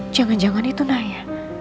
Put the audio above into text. jangan jangan itu naya